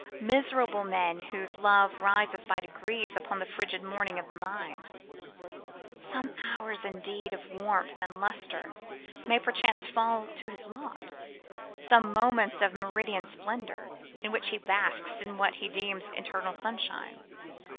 Miserable man whose love rises by degrees upon the frigid morning of his mind! Some hours indeed of warmth and lustre may perchance fall to his lot; some moments of meridian splendour, in which he basks in what he deems eternal sunshine.